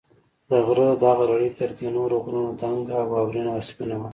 د غره دغه لړۍ تر دې نورو غرونو دنګه، واورینه او سپینه وه.